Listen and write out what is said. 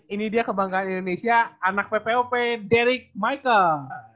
ini dia kebanggaan indonesia anak ppop derik michael